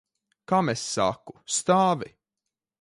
Kam es saku? Stāvi!